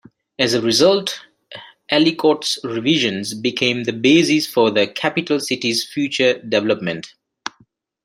As a result, Ellicott's revisions became the basis for the capital city's future development.